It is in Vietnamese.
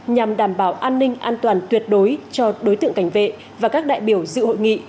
nhằm đảm bảo an ninh an toàn tuyệt đối cho đối tượng cảnh vệ và các đại biểu dự hội nghị